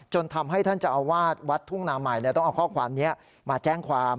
ทำให้ท่านเจ้าอาวาสวัดทุ่งนาใหม่ต้องเอาข้อความนี้มาแจ้งความ